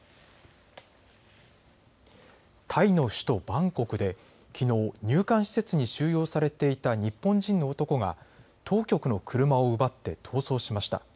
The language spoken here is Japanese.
タイの首都バンコクできのう入管施設に収容されていた日本人の男が当局の車を奪って逃走しました。